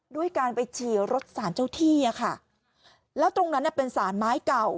ด้วยการไปฉี่รถสารเจ้าที่อ่ะค่ะแล้วตรงนั้นน่ะเป็นสารไม้เก่า